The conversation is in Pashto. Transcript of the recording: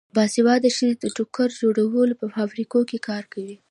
باسواده ښځې د ټوکر جوړولو په فابریکو کې کار کوي.